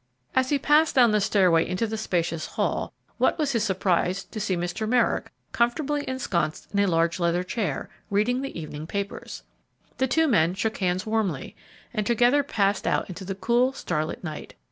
As he passed down the stairway into the spacious hall, what was his surprise to see Mr. Merrick comfortably ensconced in a large leather chair, reading the evening papers. The two men shook hands warmly, and together passed out into the cool, starlit night.